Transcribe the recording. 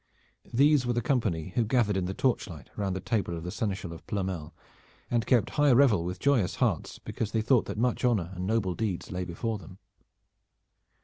These were the company who gathered in the torch light round the table of the Seneschal of Ploermel, and kept high revel with joyous hearts because they thought that much honor and noble deeds lay before them.